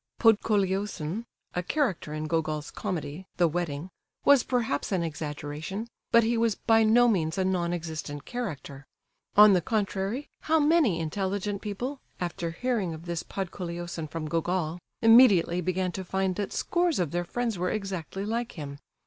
"Podkoleosin" [A character in Gogol's comedy, The Wedding.] was perhaps an exaggeration, but he was by no means a non existent character; on the contrary, how many intelligent people, after hearing of this Podkoleosin from Gogol, immediately began to find that scores of their friends were exactly like him!